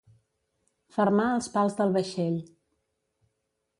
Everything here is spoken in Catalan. Fermar els pals del vaixell.